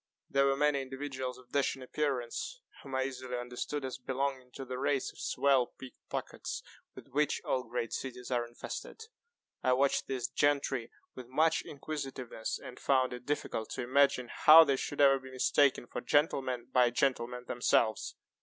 There were many individuals of dashing appearance, whom I easily understood as belonging to the race of swell pick pockets, with which all great cities are infested. I watched these gentry with much inquisitiveness, and found it difficult to imagine how they should ever be mistaken for gentlemen by gentlemen themselves.